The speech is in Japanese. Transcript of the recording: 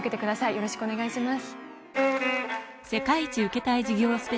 よろしくお願いします。